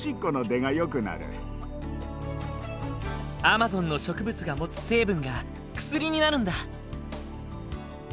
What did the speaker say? アマゾンの植物が持つ成分が薬になるんだ。